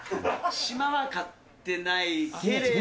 島は買ってないけれど。